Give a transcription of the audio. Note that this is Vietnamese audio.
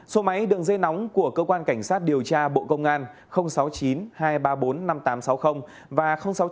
số máy đường dây nóng của cơ quan cảnh sát điều tra bộ công an sáu mươi chín hai trăm ba mươi bốn năm nghìn tám trăm sáu mươi và sáu mươi chín hai trăm ba mươi một một nghìn sáu trăm